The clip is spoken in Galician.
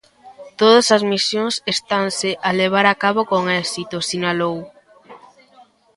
"Todas as misións estanse a levar a cabo con éxito", sinalou.